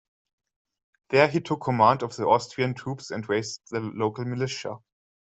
There he took command of the Austrian troops and raised the local militia.